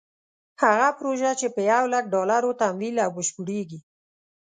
هغه پروژه چې په یو لک ډالرو تمویل او بشپړېږي.